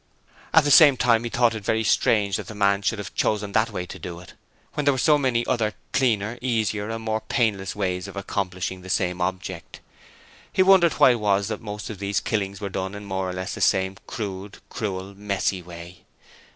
At the same time he thought it very strange that the man should have chosen to do it that way, when there were so many other cleaner, easier and more painless ways of accomplishing the same object. He wondered why it was that most of these killings were done in more or less the same crude, cruel messy way.